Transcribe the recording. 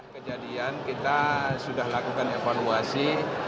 kejadian kita sudah lakukan evaluasi